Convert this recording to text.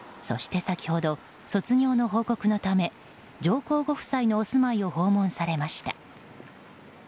そして先ほど、卒業の報告のため上皇ご夫妻のお住まいを訪問されました。